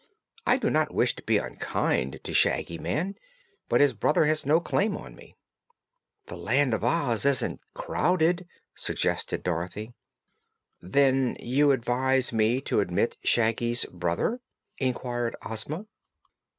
"I do not wish to be unkind to Shaggy Man, but his brother has no claim on me." "The Land of Oz isn't crowded," suggested Dorothy. "Then you advise me to admit Shaggy's brother?" inquired Ozma.